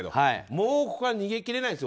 もうここは逃げきれないですよ。